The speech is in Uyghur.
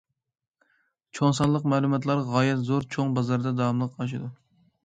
چوڭ سانلىق مەلۇماتلار غايەت زور چوڭ بازاردا داۋاملىق ئاشىدۇ.